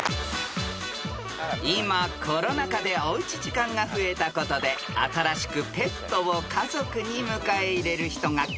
［今コロナ禍でおうち時間が増えたことで新しくペットを家族に迎え入れる人が急増］